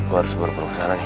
gua harus ke purworejo sana nih